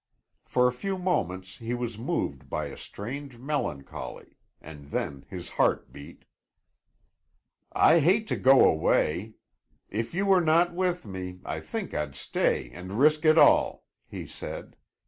For a few moments he was moved by a strange melancholy, and then his heart beat. "I hate to go away. If you were not with me, I think I'd stay and risk it all," he said.